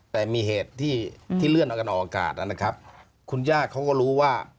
แต่มีเหตุที่เลื่อนออกอากาศคุณย่าเขาก็รู้ว่า